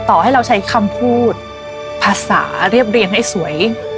ต่อให้เราใช้คำพูดภาษาเรียบเรียงให้สวย